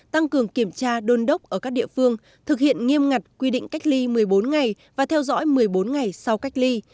tăng cường kiểm tra đôn đốc ở các địa phương thực hiện nghiêm ngặt quy định cách ly một mươi bốn ngày và theo dõi một mươi bốn ngày sau cách ly